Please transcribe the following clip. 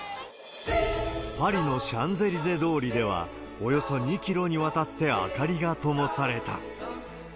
パリのシャンゼリゼ通りでは、およそ２キロにわたって明かりがともされた。